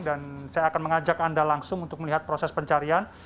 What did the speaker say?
dan saya akan mengajak anda langsung untuk melihat proses pencarian